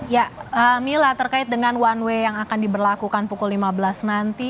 ya mila terkait dengan one way yang akan diberlakukan pukul lima belas nanti